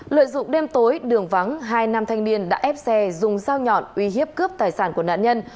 lợi dụng đêm tối đường vắng hai nam thanh niên đã ép xe dùng dao nhọn uy hiếp cướp tài sản của nạn nhân